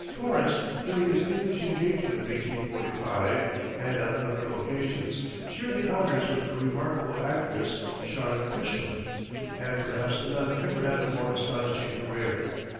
Forrest, during his English engagement of 1845, and on other occasions, shared the honors with a remarkable actress, Charlotte Cushman. And perhaps none ever had a more astonishing career.